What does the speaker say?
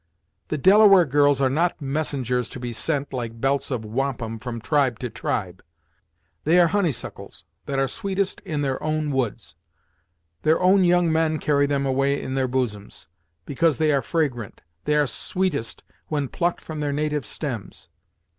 The Delaware girls are not messengers to be sent, like belts of wampum, from tribe to tribe. They are honeysuckles, that are sweetest in their own woods; their own young men carry them away in their bosoms, because they are fragrant; they are sweetest when plucked from their native stems.